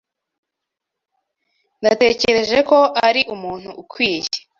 Natekereje ko ari umuntu ukwiye.